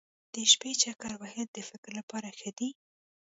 د شپې چکر وهل د فکر لپاره ښه دي.